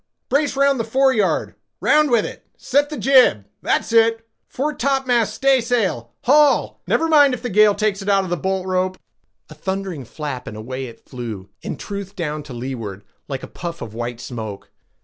"Brace round the foreyard; round with it—set the jib—that's it—foretopmast staysail—haul—never mind if the gale takes it out of the bolt rope"—a thundering flap, and away it flew in truth down to leeward, like a puff of white smoke.